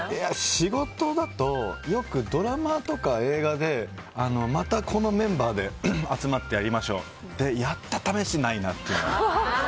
仕事だとよくドラマとか映画でまたこのメンバーで集まってやりましょうってやった試しないなっていう。